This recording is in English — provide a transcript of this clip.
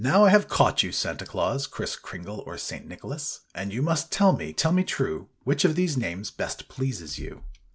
I have caught you Santa Claus, Kriss Kringle or St. Nicholas, And you must tell me, tell me true. Which of these names best pleases you'?